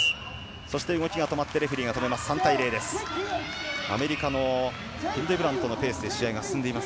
そして動きが止まってレフェリーが止めます。